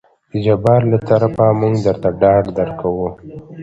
د جبار له طرفه موږ درته ډاډ درکو.